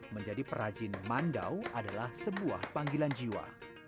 menjadi perajin mandau adalah sebuah panggilan jiwa